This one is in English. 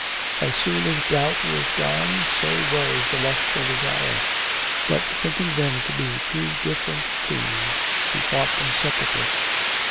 As soon as doubt was gone so was the lustful desire. But thinking them to be two different fiends he fought them separately.